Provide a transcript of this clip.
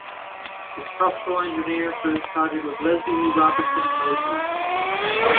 The structural engineer for this project was Leslie E. Robertson Associates.